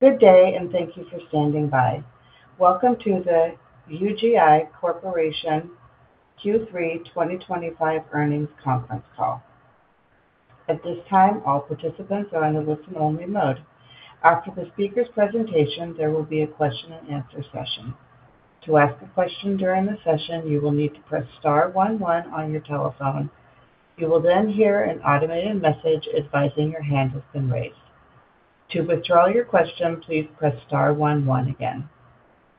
Good day and thank you for standing by. Welcome to the UGI Corporation Q3 2025 Earnings Conference Call. At this time, all participants are in a listen-only mode. After the speaker's presentation, there will be a question and answer session. To ask a question during the session, you will need to press star one-one on your telephone. You will then hear an automated message advising your hand has been raised. To withdraw your question, please press star one-one again.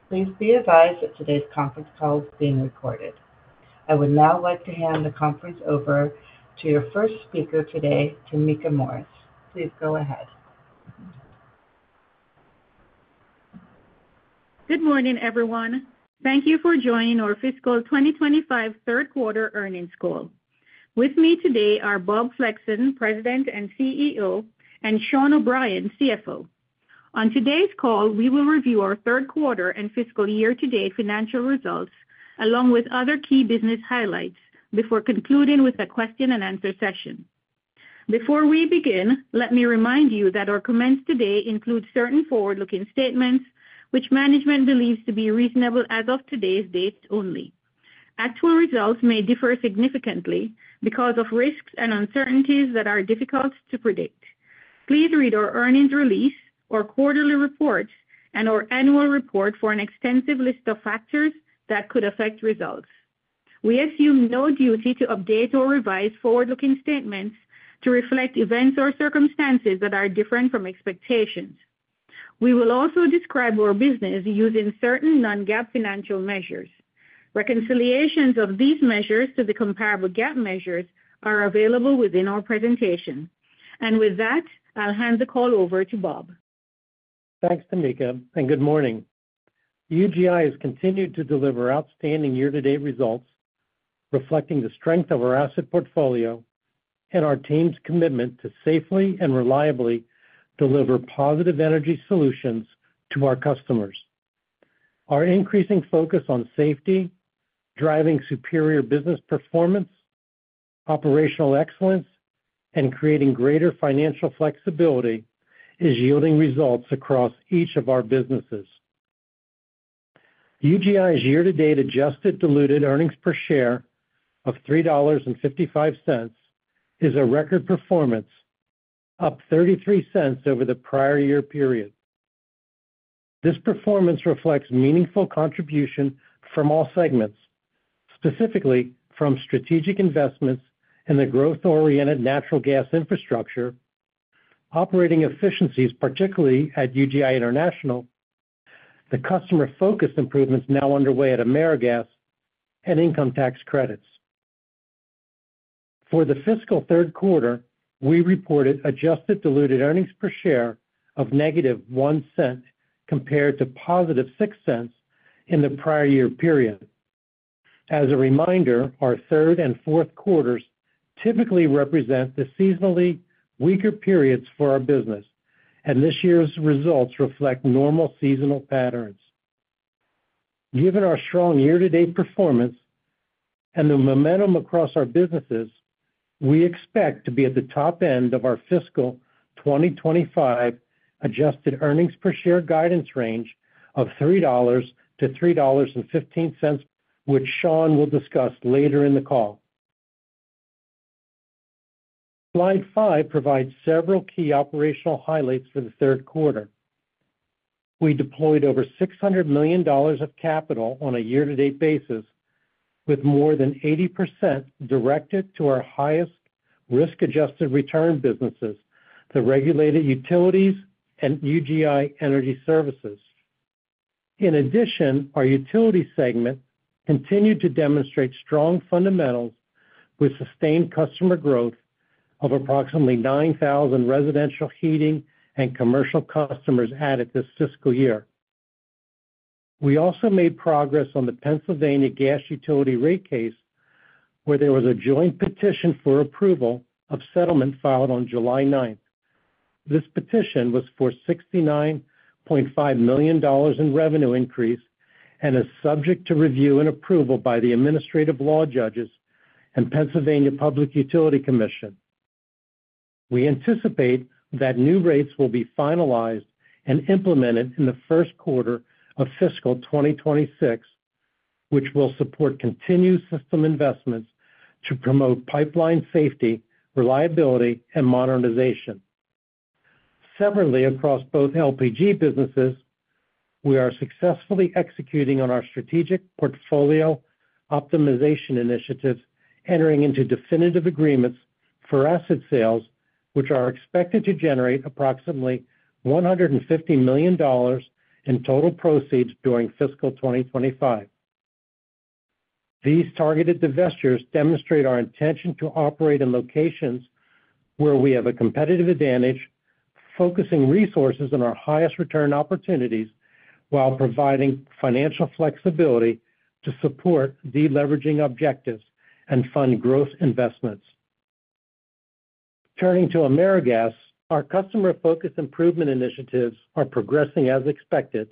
Please be advised that today's conference call is being recorded. I would now like to hand the conference over to your first speaker today, Tameka Morris. Please go ahead. Good morning, everyone. Thank you for joining our fiscal 2025 third quarter earnings call. With me today are Bob Flexon, President and CEO, and Sean O'Brien, CFO. On today's call, we will review our third quarter and fiscal year-to-date financial results along with other key business highlights before concluding with a question and answer session. Before we begin, let me remind you that our comments today include certain forward-looking statements which management believes to be reasonable as of today's date only. Actual results may differ significantly because of risks and uncertainties that are difficult to predict. Please read our earnings release, our quarterly reports, and our annual report for an extensive list of factors that could affect results. We assume no duty to update or revise forward-looking statements to reflect events or circumstances that are different from expectations. We will also describe our business using certain non-GAAP financial measures. Reconciliations of these measures to the comparable GAAP measures are available within our presentation. With that, I'll hand the call over to Bob. Thanks, Tameka, and good morning. UGI has continued to deliver outstanding year-to-date results, reflecting the strength of our asset portfolio and our team's commitment to safely and reliably deliver positive energy solutions to our customers. Our increasing focus on safety, driving superior business performance, operational excellence, and creating greater financial flexibility is yielding results across each of our businesses. UGI's year-to-date adjusted diluted EPS of $3.55 is a record performance, up $0.33 over the prior year period. This performance reflects meaningful contribution from all segments, specifically from strategic investments in the growth-oriented natural gas infrastructure, operating efficiencies, particularly at UGI International, the customer focus improvements now underway at AmeriGas, and income tax credits. For the fiscal third quarter, we reported adjusted diluted EPS of - $0.01 compared to +$0.06 in the prior year period. As a reminder, our third and fourth quarters typically represent the seasonally weaker periods for our business, and this year's results reflect normal seasonal patterns. Given our strong year-to-date performance and the momentum across our businesses, we expect to be at the top end of our fiscal 2025 adjusted EPS guidance range of $3-$3.15, which Sean will discuss later in the call. Slide 5 provides several key operational highlights for the third quarter. We deployed over $600 million of capital on a year-to-date basis, with more than 80% directed to our highest risk-adjusted return businesses, the regulated utilities and UGI Energy Services. In addition, our utility segment continued to demonstrate strong fundamentals with sustained customer growth of approximately 9,000 residential, heating, and commercial customers added this fiscal year. We also made progress on the Pennsylvania Gas Utility rate case, where there was a joint petition for approval of settlement filed on July 9th. This petition was for $69.5 million in revenue increase and is subject to review and approval by the Administrative Law Judges and Pennsylvania Public Utility Commission. We anticipate that new rates will be finalized and implemented in the first quarter of fiscal 2026, which will support continued system investments to promote pipeline safety, reliability, and modernization. Separately, across both LPG businesses, we are successfully executing on our strategic portfolio optimization initiatives, entering into definitive agreements for asset sales, which are expected to generate approximately $150 million in total proceeds during fiscal 2025. These targeted divestitures demonstrate our intention to operate in locations where we have a competitive advantage, focusing resources on our highest return opportunities while providing financial flexibility to support de-leveraging objectives and fund growth investments. Turning to AmeriGas, our customer focus improvement initiatives are progressing as expected,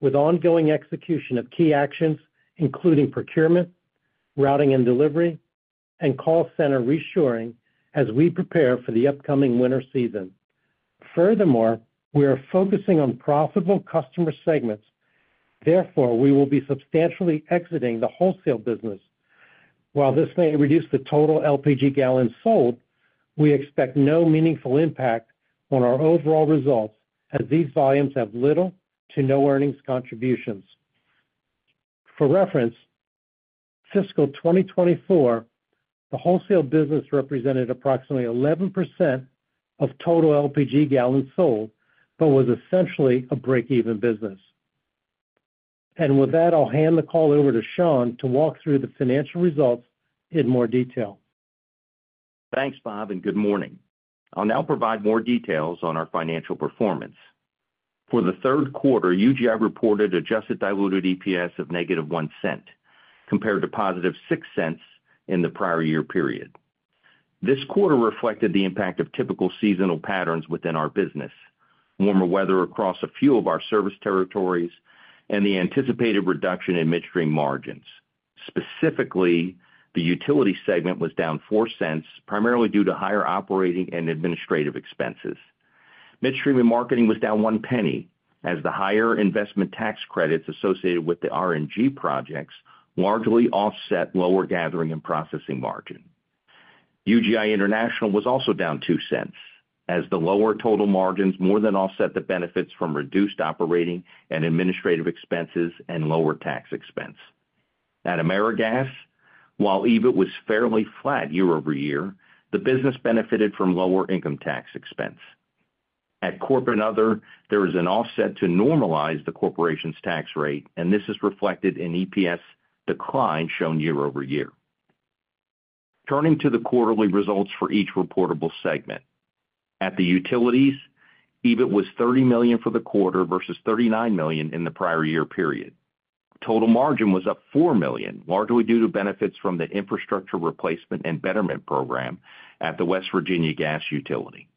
with ongoing execution of key actions, including procurement, routing and delivery, and call center re-assuring as we prepare for the upcoming winter season. Furthermore, we are focusing on profitable customer segments. Therefore, we will be substantially exiting the wholesale business. While this may reduce the total LPG gallons sold, we expect no meaningful impact on our overall results as these volumes have little to no earnings contributions. For reference, fiscal 2024, the wholesale business represented approximately 11% of total LPG gallons sold but was essentially a break-even business. With that, I'll hand the call over to Sean to walk through the financial results in more detail. Thanks, Bob, and good morning. I'll now provide more details on our financial performance. For the third quarter, UGI reported adjusted diluted EPS of -$0.01 compared to +$0.06 in the prior year period. This quarter reflected the impact of typical seasonal patterns within our business: warmer weather across a few of our service territories and the anticipated reduction in midstream margins. Specifically, the utility segment was down $0.04, primarily due to higher operating and administrative expenses. Midstream and marketing was down $0.01 as the higher investment tax credits associated with the renewable natural gas projects largely offset lower gathering and processing margins. UGI International was also down $0.02 as the lower total margins more than offset the benefits from reduced operating and administrative expenses and lower tax expense. At AmeriGas, while EBIT was fairly flat year-over-year, the business benefited from lower income tax expense. At Corp and Other, there was an offset to normalize the corporation's tax rate, and this is reflected in the EPS decline shown year-over-year. Turning to the quarterly results for each reportable segment. At the utilities, EBIT was $30 million for the quarter versus $39 million in the prior year period. Total margin was up $4 million, largely due to benefits from the infrastructure replacement and betterment program at the West Virginia Gas Utility.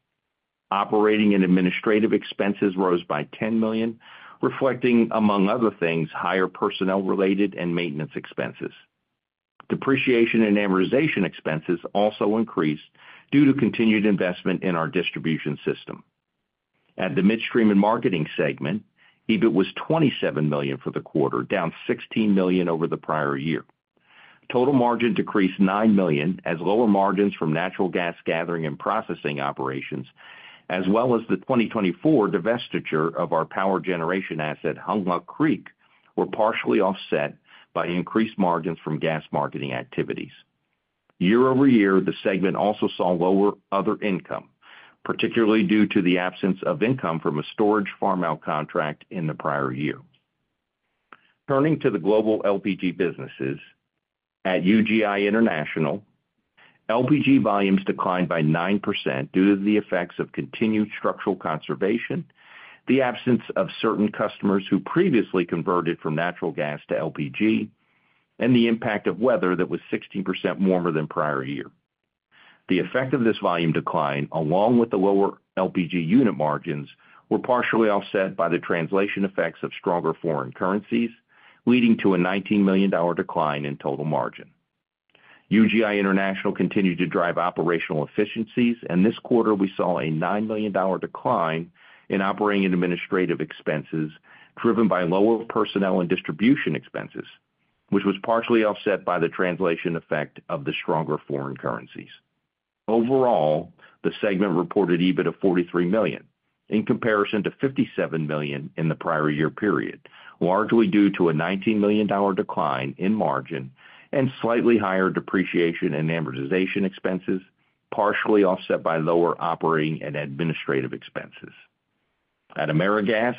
Operating and administrative expenses rose by $10 million, reflecting, among other things, higher personnel-related and maintenance expenses. Depreciation and amortization expenses also increased due to continued investment in our distribution system. At the midstream and marketing segment, EBIT was $27 million for the quarter, down $16 million over the prior year. Total margin decreased $9 million as lower margins from natural gas gathering and processing operations, as well as the 2024 divestiture of our power generation asset, Hunghwa Creek, were partially offset by increased margins from gas marketing activities. Year-over-year, the segment also saw lower other income, particularly due to the absence of income from a storage farm out contract in the prior year. Turning to the global LPG businesses. At UGI International, LPG volumes declined by 9% due to the effects of continued structural conservation, the absence of certain customers who previously converted from natural gas to LPG, and the impact of weather that was 16% warmer than prior year. The effect of this volume decline, along with the lower LPG unit margins, were partially offset by the translation effects of stronger foreign currencies, leading to a $19 million decline in total margin. UGI International continued to drive operational efficiencies, and this quarter we saw a $9 million decline in operating and administrative expenses driven by lower personnel and distribution expenses, which was partially offset by the translation effect of the stronger foreign currencies. Overall, the segment reported EBIT of $43 million in comparison to $57 million in the prior year period, largely due to a $19 million decline in margin and slightly higher depreciation and amortization expenses, partially offset by lower operating and administrative expenses. At AmeriGas,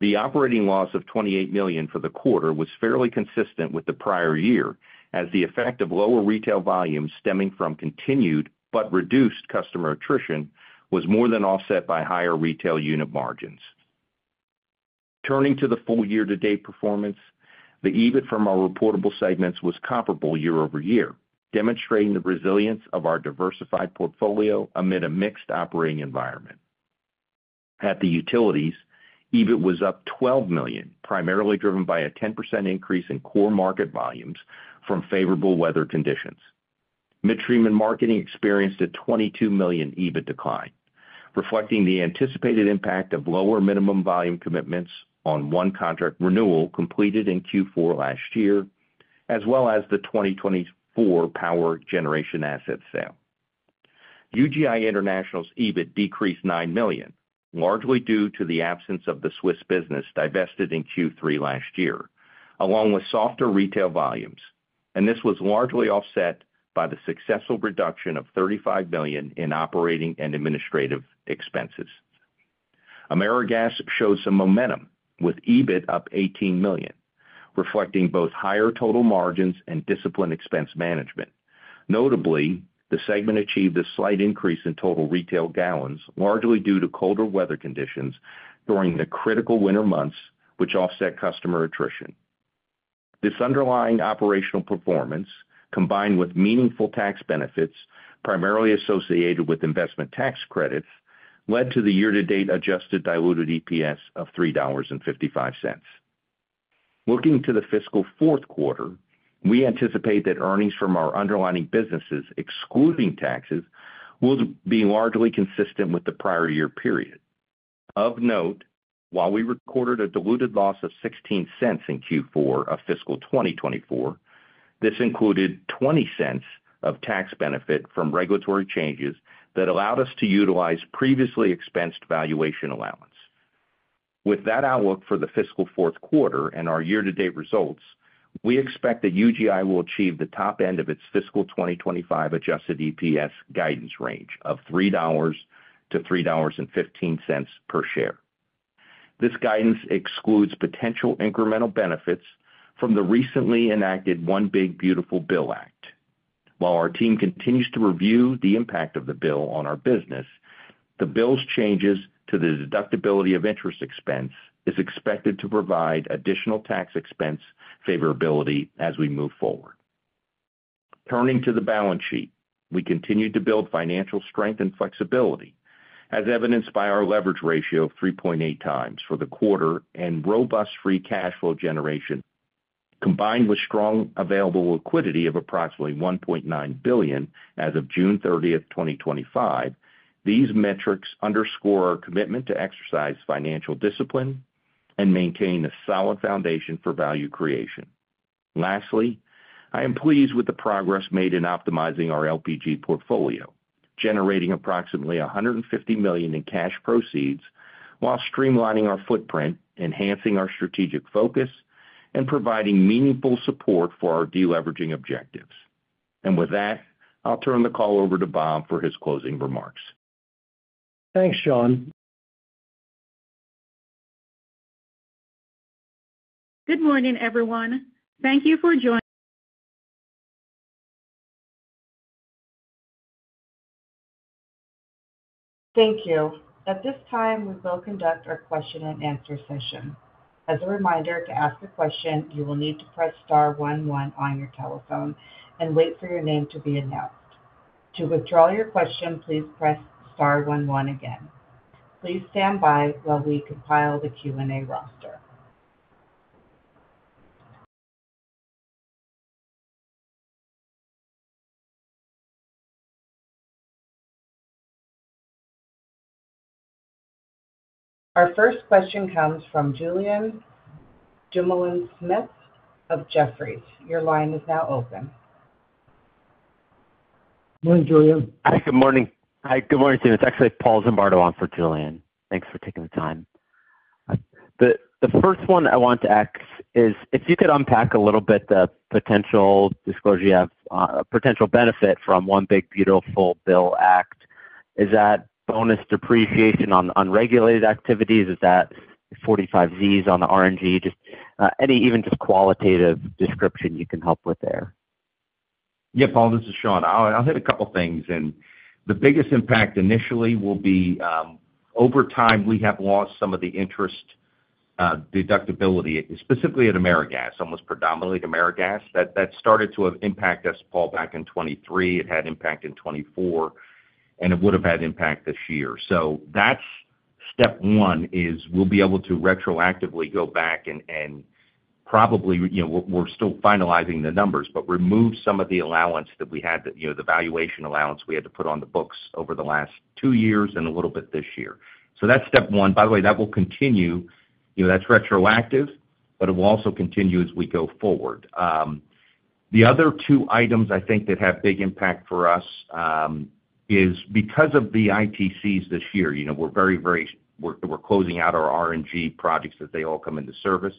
the operating loss of $28 million for the quarter was fairly consistent with the prior year, as the effect of lower retail volumes stemming from continued but reduced customer attrition was more than offset by higher retail unit margins. Turning to the full year-to-date performance, the EBIT from our reportable segments was comparable year-over-year, demonstrating the resilience of our diversified portfolio amid a mixed operating environment. At the utilities, EBIT was up $12 million, primarily driven by a 10% increase in core market volumes from favorable weather conditions. Midstream and marketing experienced a $22 million EBIT decline, reflecting the anticipated impact of lower minimum volume commitments on one contract renewal completed in Q4 last year, as well as the 2024 power generation asset sale. UGI International's EBIT decreased $9 million, largely due to the absence of the Swiss business divested in Q3 last year, along with softer retail volumes, and this was largely offset by the successful reduction of $35 million in operating and administrative expenses. AmeriGas showed some momentum, with EBIT up $18 million, reflecting both higher total margins and disciplined expense management. Notably, the segment achieved a slight increase in total retail gallons, largely due to colder weather conditions during the critical winter months, which offset customer attrition. This underlying operational performance, combined with meaningful tax benefits primarily associated with investment tax credits, led to the year-to-date adjusted diluted EPS of $3.55. Looking to the fiscal fourth quarter, we anticipate that earnings from our underlying businesses, excluding taxes, will be largely consistent with the prior year period. Of note, while we recorded a diluted loss of $0.16 in Q4 of fiscal 2024, this included $0.20 of tax benefit from regulatory changes that allowed us to utilize previously expensed valuation allowance. With that outlook for the fiscal fourth quarter and our year-to-date results, we expect that UGI will achieve the top end of its fiscal 2025 adjusted diluted EPS guidance range of $3-$3.15 per share. This guidance excludes potential incremental benefits from the recently enacted One Big Beautiful Bill Act. While our team continues to review the impact of the bill on our business, the bill's changes to the deductibility of interest expense are expected to provide additional tax expense favorability as we move forward. Turning to the balance sheet, we continued to build financial strength and flexibility, as evidenced by our leverage ratio of 3.8x for the quarter and robust free cash flow generation. Combined with strong available liquidity of approximately $1.9 billion as of June 30th, 2025, these metrics underscore our commitment to exercise financial discipline and maintain a solid foundation for value creation. Lastly, I am pleased with the progress made in optimizing our LPG portfolio, generating approximately $150 million in cash proceeds while streamlining our footprint, enhancing our strategic focus, and providing meaningful support for our de-leveraging objectives. With that, I will turn the call over to Bob for his closing remarks. Thanks, Sean. Good morning, everyone. Thank you for joining. Thank you. At this time, we will conduct our question and answer session. As a reminder, to ask a question, you will need to press star one, one on your telephone and wait for your name to be announced. To withdraw your question, please press star one, one again. Please stand by while we compile the Q&A roster. Our first question comes from Julien Dumoulin-Smith of Jefferies. Your line is now open. Morning, Julien. Hi, good morning. Hi, good morning. It's actually Paul Zimbardo on for Julien. Thanks for taking the time. The first one I want to ask is, if you could unpack a little bit the potential disclosure you have, a potential benefit from One Big Beautiful Bill Act, is that bonus depreciation on unregulated activities? Is that 45 Zs on RNG? Just any, even just qualitative description you can help with there. Yeah, Paul, this is Sean. I'll hit a couple of things. The biggest impact initially will be, over time, we have lost some of the interest deductibility, specifically at AmeriGas, almost predominantly at AmeriGas. That started to impact us, Paul, back in 2023. It had impact in 2024, and it would have had impact this year. So that step one is we'll be able to retroactively go back and probably, you know, we're still finalizing the numbers, but remove some of the allowance that we had, the valuation allowance we had to put on the books over the last two years and a little bit this year. So that's step one. By the way, that will continue. That's retroactive, but it will also continue as we go forward. The other two items I think that have big impact for us, is because of the ITCs this year, we're very, very, we're closing out our R&G projects as they all come into service.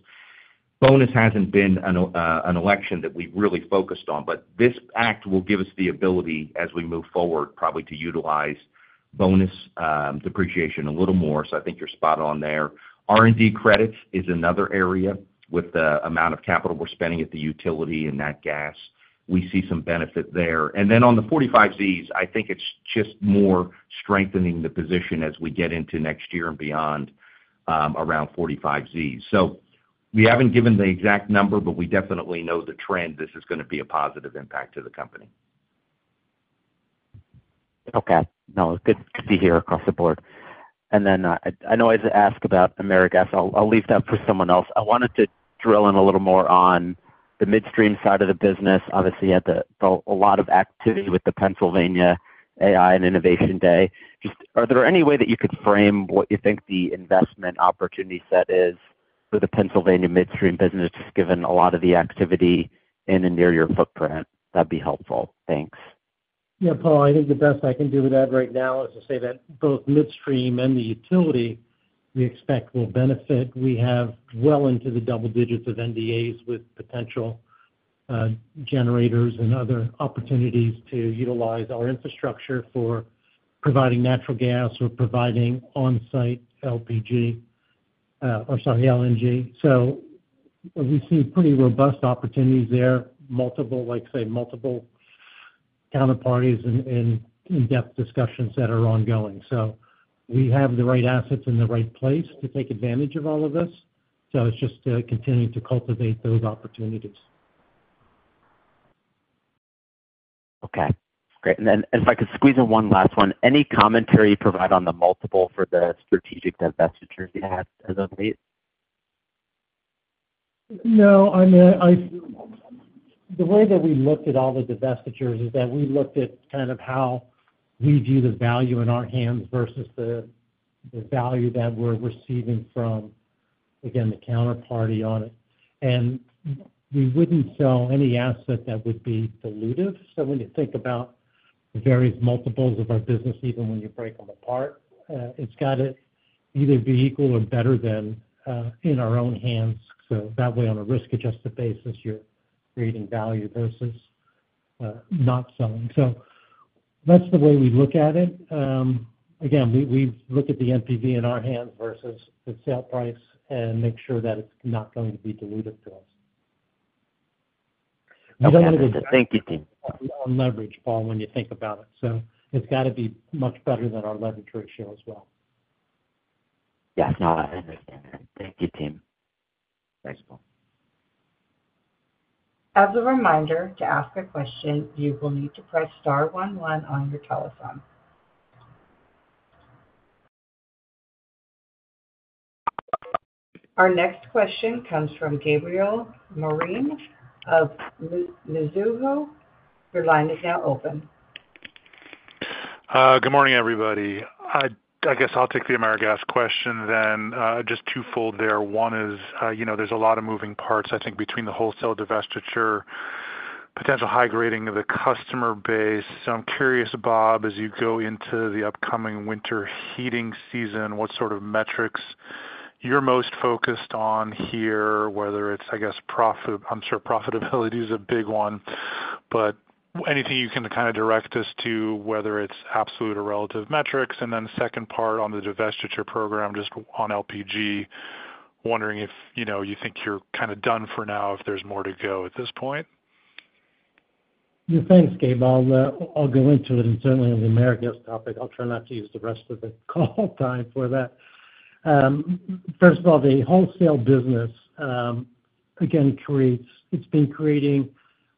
Bonus hasn't been an election that we've really focused on, but this act will give us the ability as we move forward, probably to utilize bonus depreciation a little more. I think you're spot on there. R&D credits is another area with the amount of capital we're spending at the utility and that gas. We see some benefit there. On the 45 Zs, I think it's just more strengthening the position as we get into next year and beyond, around 45 Zs. We haven't given the exact number, but we definitely know the trend. This is going to be a positive impact to the company. Okay. No, it's good to hear across the board. I know I had to ask about AmeriGas. I'll leave that for someone else. I wanted to drill in a little more on the midstream side of the business. Obviously, you had a lot of activity with the Pennsylvania AI and Innovation Day. Are there any way that you could frame what you think the investment opportunity set is for the Pennsylvania midstream business, given a lot of the activity in and near your footprint? That'd be helpful. Thanks. Yeah, Paul, I think the best I can do with that right now is to say that both midstream and the utility, we expect will benefit. We have well into the double digits of NDAs with potential generators and other opportunities to utilize our infrastructure for providing natural gas or providing on-site LPG, or sorry, LNG. We see pretty robust opportunities there, multiple, like I say, multiple counterparties and in-depth discussions that are ongoing. We have the right assets in the right place to take advantage of all of this. It's just continuing to cultivate those opportunities. Okay. Great. If I could squeeze in one last one, any commentary you provide on the multiple for the strategic divestitures you had as of late? No. I mean, the way that we looked at all the divestitures is that we looked at kind of how we view the value in our hands versus the value that we're receiving from, again, the counterparty on it. We wouldn't sell any asset that would be dilutive. When you think about the various multiples of our business, even when you break them apart, it's got to either be equal or better than in our own hands. That way, on a risk-adjusted basis, you're creating value versus not selling. That's the way we look at it. We look at the NPV in our hand versus the sale price and make sure that it's not going to be diluted to us. I'm going to. Thank you, team. On leverage, Paul, when you think about it, it's got to be much better than our leverage ratio as well. Yes, no, I understand that. Thank you, team. Thanks, Paul. As a reminder, to ask a question, you will need to press star one, one on your telephone. Our next question comes from Gabriel Moreen of Mizuho. Your line is now open. Good morning, everybody. I guess I'll take the AmeriGas question then. Just twofold there. One is, you know, there's a lot of moving parts, I think, between the wholesale divestiture, potential high grading of the customer base. I'm curious, Bob, as you go into the upcoming winter heating season, what sort of metrics you're most focused on here, whether it's, I guess, profit. I'm sure profitability is a big one, but anything you can kind of direct us to, whether it's absolute or relative metrics. The second part on the divestiture program, just on LPG, wondering if you know, you think you're kind of done for now, if there's more to go at this point. Yeah, thanks, Gabe. I'll go into it. Certainly, on the AmeriGas topic, I'll try not to use the rest of the call time for that. First of all, the wholesale business, again, it's been creating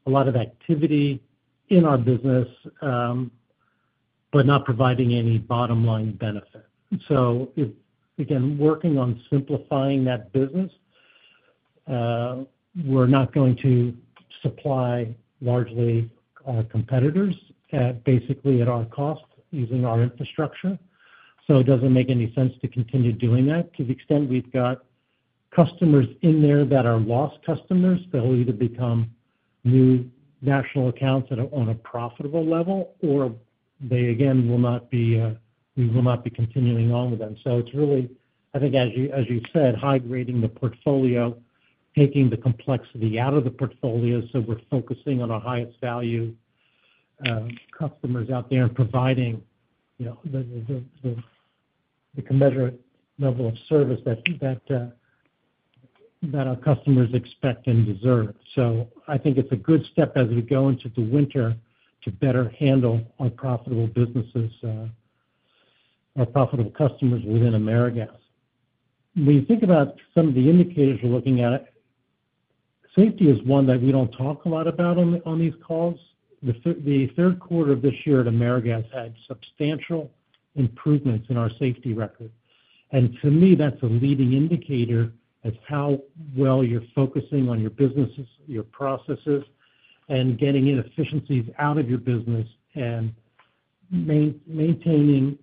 a lot of activity in our business, but not providing any bottom-line benefit. If, again, working on simplifying that business, we're not going to supply largely our competitors basically at our cost using our infrastructure. It doesn't make any sense to continue doing that to the extent we've got customers in there that are lost customers that will either become new national accounts that are on a profitable level, or they, again, will not be, we will not be continuing on with them. It's really, I think, as you said, high grading the portfolio, taking the complexity out of the portfolio so we're focusing on our highest value customers out there and providing the commensurate level of service that our customers expect and deserve. I think it's a good step as we go into the winter to better handle our profitable businesses, our profitable customers within AmeriGas. When you think about some of the indicators we're looking at, safety is one that we don't talk a lot about on these calls. The third quarter of this year at AmeriGas had substantial improvements in our safety record. To me, that's a leading indicator of how well you're focusing on your businesses, your processes, and getting inefficiencies out of your business and maintaining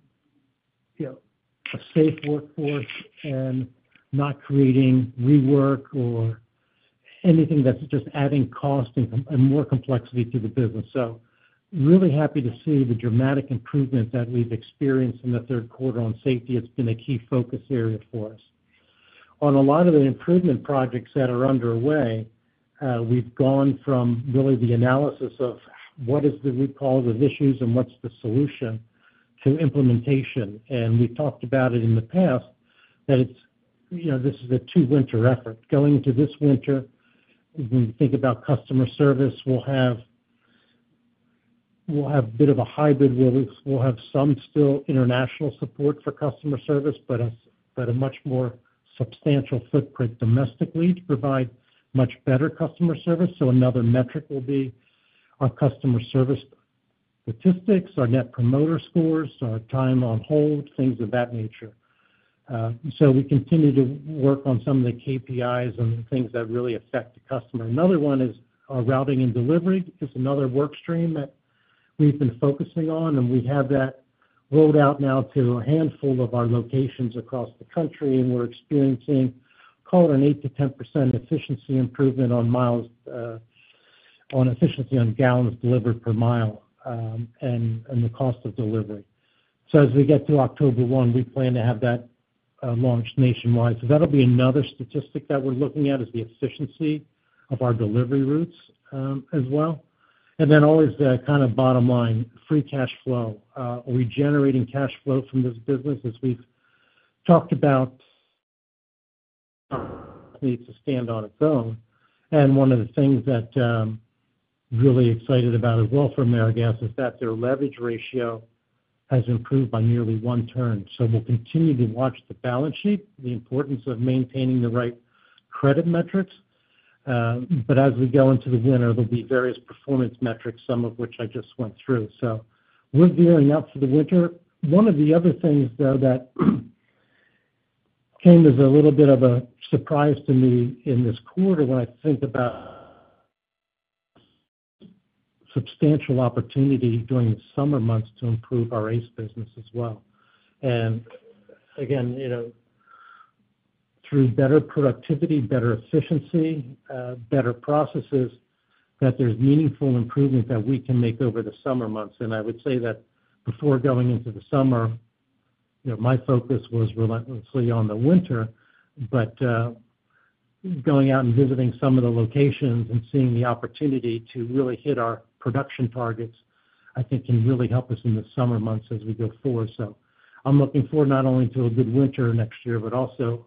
a safe workforce and not creating rework or anything that's just adding cost and more complexity to the business. I'm really happy to see the dramatic improvements that we've experienced in the third quarter on safety. It's been a key focus area for us. On a lot of the improvement projects that are underway, we've gone from really the analysis of what is the root cause of issues and what's the solution to implementation. We've talked about it in the past that it's, you know, this is a two-winter effort. Going into this winter, when you think about customer service, we'll have a bit of a hybrid release. We'll have some still international support for customer service, but a much more substantial footprint domestically to provide much better customer service. Another metric will be our customer service statistics, our net promoter scores, our time on hold, things of that nature. We continue to work on some of the KPIs and the things that really affect the customer. Another one is our routing and delivery. It's another work stream that we've been focusing on. We have that rolled out now to a handful of our locations across the country, and we're experiencing, call it an 8% to 10% efficiency improvement on gallons delivered per mile and the cost of delivery. As we get through October 1st, we plan to have that launched nationwide. That'll be another statistic that we're looking at, the efficiency of our delivery routes as well. Always the kind of bottom line, free cash flow. Are we generating cash flow from this business? As we've talked about, it needs to stand on its own. One of the things that I'm really excited about as well for AmeriGas is that their leverage ratio has improved by nearly one turn. We'll continue to watch the balance sheet, the importance of maintaining the right credit metrics. As we go into the winter, there'll be various performance metrics, some of which I just went through. We're gearing up for the winter. One of the other things that came as a little bit of a surprise to me in this quarter when I think about substantial opportunity during the summer months to improve our ACE business as well. Again, through better productivity, better efficiency, better processes, there's meaningful improvements that we can make over the summer months. I would say that before going into the summer, my focus was relentlessly on the winter. Going out and visiting some of the locations and seeing the opportunity to really hit our production targets, I think, can really help us in the summer months as we go forward. I'm looking forward not only to a good winter next year, but also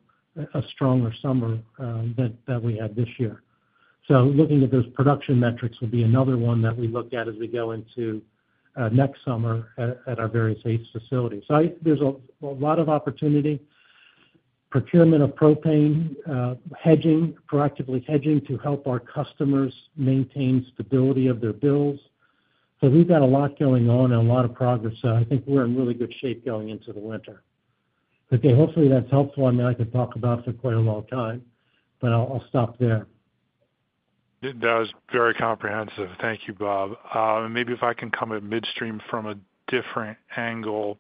a stronger summer than we had this year. Looking at those production metrics will be another one that we look at as we go into next summer at our various ACE facilities. There's a lot of opportunity, procurement of propane, proactively hedging to help our customers maintain stability of their bills. We've got a lot going on and a lot of progress. I think we're in really good shape going into the winter. Okay. Hopefully, that's helpful. I could talk about it for quite a long time, but I'll stop there. It does. Very comprehensive. Thank you, Bob. Maybe if I can come at midstream from a different angle.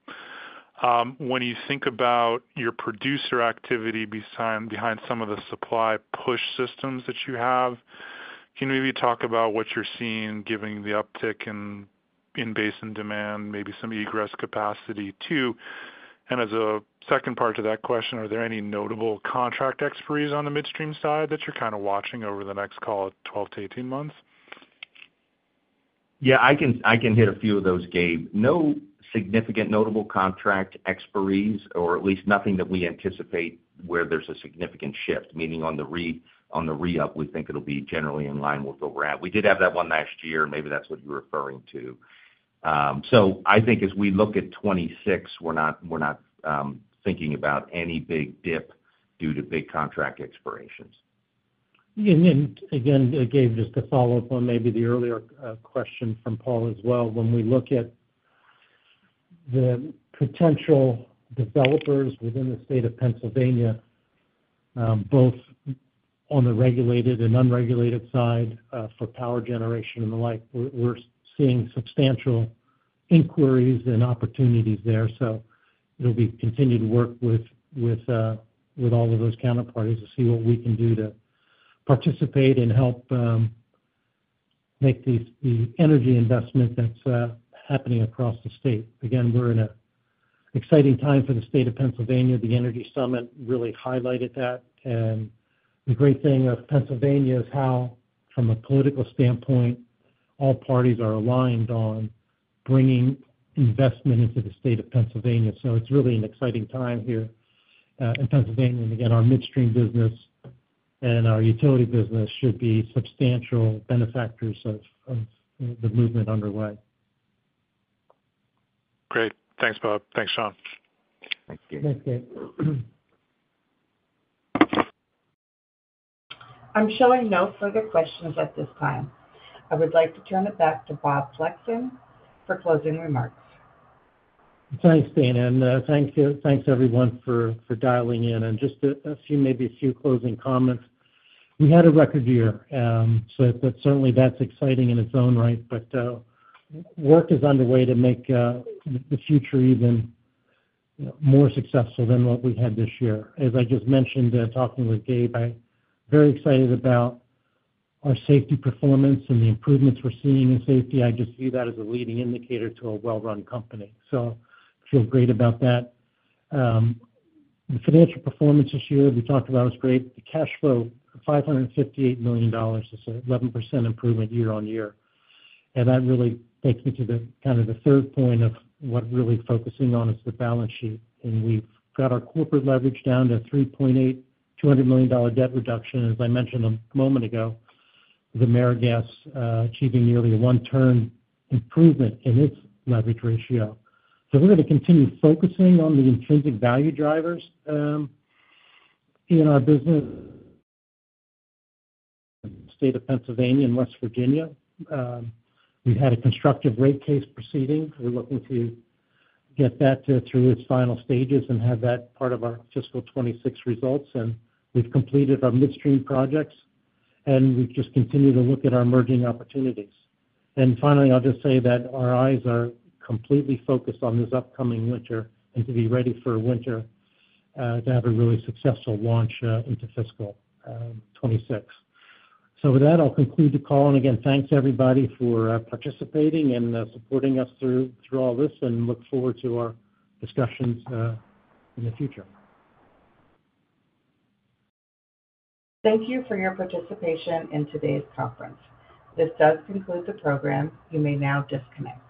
When you think about your producer activity behind some of the supply push systems that you have, can you maybe talk about what you're seeing given the uptick in basin demand, maybe some egress capacity too? As a second part to that question, are there any notable contract expiries on the midstream side that you're kind of watching over the next, call it, 12-18 months? Yeah, I can hit a few of those, Gabe. No significant notable contract expiries, or at least nothing that we anticipate where there's a significant shift. Meaning on the re-up, we think it'll be generally in line with where we're at. We did have that one last year, and maybe that's what you're referring to. I think as we look at 2026, we're not thinking about any big dip due to big contract expirations. Yeah. Again, Gabe, just to follow up on maybe the earlier question from Paul as well, when we look at the potential developers within the state of Pennsylvania, both on the regulated and unregulated side for power generation and the like, we're seeing substantial inquiries and opportunities there. It'll be continued work with all of those counterparties to see what we can do to participate and help make these energy investments that are happening across the state. We're in an exciting time for the state of Pennsylvania. The Energy Summit really highlighted that. The great thing about Pennsylvania is how, from a political standpoint, all parties are aligned on bringing investment into the state of Pennsylvania. It's really an exciting time here in Pennsylvania. Our midstream and utility business should be substantial benefactors of the movement underway. Great. Thanks, Bob. Thanks, Sean. Thanks, Gabe. Thanks, Gabe. I'm showing no further questions at this time. I would like to turn it back to Bob Flexon for closing remarks. Thanks, Dana. Thanks everyone for dialing in. Just a few closing comments. We had a record year, so that certainly is exciting in its own right. Work is underway to make the future even more successful than what we had this year. As I just mentioned, talking with Gabe, I'm very excited about our safety performance and the improvements we're seeing in safety. I just view that as a leading indicator to a well-run company. I feel great about that. The financial performance this year we talked about was great. The cash flow, $558 million, is an 11% improvement year-on-year. That really takes me to the third point of what we're really focusing on, which is the balance sheet. We've got our corporate leverage down to $3.8, $200 million debt reduction, as I mentioned a moment ago, with AmeriGas achieving nearly a one-turn improvement in its leverage ratio. We're going to continue focusing on the intrinsic value drivers in our business, the state of Pennsylvania and West Virginia. We've had a constructive rate case proceeding. We're looking to get that through its final stages and have that part of our fiscal 2026 results. We've completed our midstream projects, and we've continued to look at our emerging opportunities. Finally, I'll just say that our eyes are completely focused on this upcoming winter and to be ready for a winter to have a really successful launch into fiscal 2026. With that, I'll conclude the call. Again, thanks everybody for participating and supporting us through all this, and look forward to our discussions in the future. Thank you for your participation in today's conference. This does conclude the program. You may now disconnect.